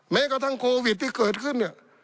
แม้กระทั่งโควิดที่เกิดขึ้นเนี่ย